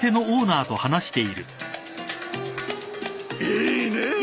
いいねぇ。